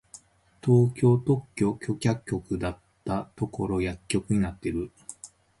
東京特許許可局だったところ薬局になってる！